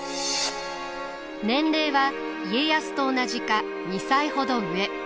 年齢は家康と同じか２歳ほど上。